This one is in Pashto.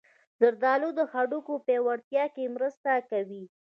زردالو د هډوکو پیاوړتیا کې مرسته کوي.